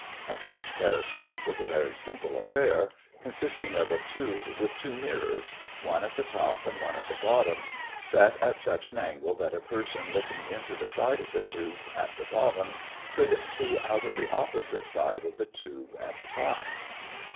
A trench periscope was a very simple affair, consisting of a tube with two mirrors, one at the top and one at the bottom, set at such an angle that a person looking into the side of the tube at the bottom could see out of the opposite side of the tube at the top.